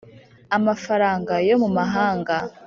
Amafaranga yo mu mahanga